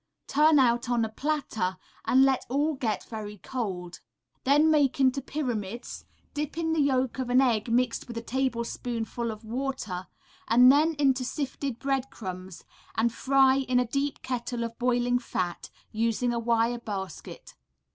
Turn out on a platter, and let all get very cold. Then make into pyramids, dip in the yolk of an egg mixed with a tablespoonful of water, and then into sifted bread crumbs, and fry in a deep kettle of boiling fat, using a wire basket.